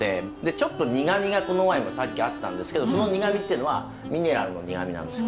ちょっと苦みがこのワインはさっきあったんですけどその苦みっていうのはミネラルの苦みなんですよ。